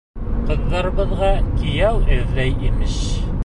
Ҡыҙҙарыбыҙға кейәү эҙләй, имеш!